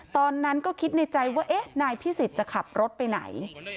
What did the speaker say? ตอนนั้นก็คิดในใจว่าเอ๊ะนายพิสิทธิ์จะขับรถไปไหน